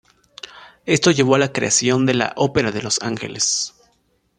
Esto llevó a la creación de la Ópera de Los Ángeles.